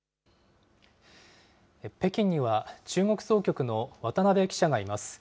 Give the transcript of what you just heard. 北京には中国総局の渡辺記者がいます。